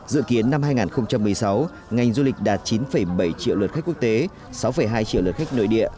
dự kiến năm hai nghìn một mươi sáu ngành du lịch đạt chín bảy triệu luật khách quốc tế sáu hai triệu luật khách nơi địa